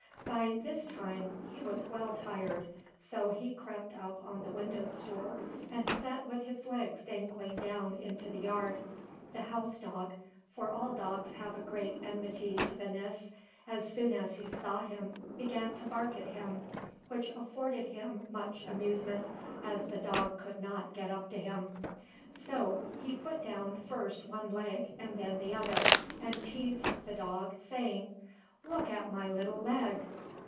By this time he was well tired, so he crept up on the window stool, and sat with his legs dangling down into the yard. The house dog for all dogs have a great enmity to the Nis as soon as he saw him began to bark at him, which afforded him much amusement, as the dog could not get up to him. So he put down first one leg and then the other, and teased the dog, saying "Look at my little leg.